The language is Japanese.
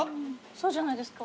そうじゃないですか？